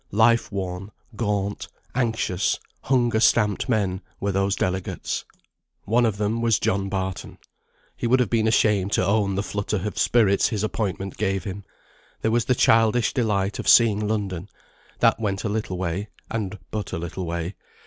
Life worn, gaunt, anxious, hunger stamped men, were those delegates. One of them was John Barton. He would have been ashamed to own the flutter of spirits his appointment gave him. There was the childish delight of seeing London that went a little way, and but a little way.